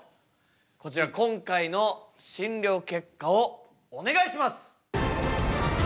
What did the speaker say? こちら今回の診りょう結果をお願いします！